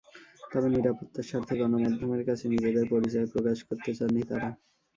তবে নিরাপত্তার স্বার্থে গণমাধ্যমের কাছে নিজেদের পরিচয় প্রকাশ করতে চাননি তাঁরা।